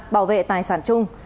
bảo vệ tài sản chung